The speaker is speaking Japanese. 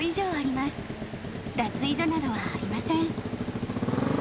脱衣所などはありません。